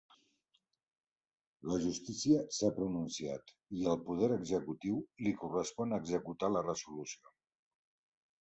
La Justícia s'ha pronunciat i al Poder Executiu li correspon executar la resolució.